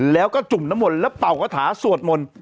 แล้วก็จุ่มน้ำมนต์แล้วเป่ากระถาสวดมนต์